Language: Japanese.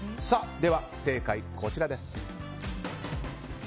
では、正解はこちらです。